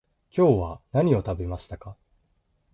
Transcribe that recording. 今日は何を食べましたか？